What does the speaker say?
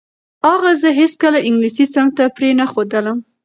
اغا زه هیڅکله انګلیسي صنف ته پرې نه ښودلم.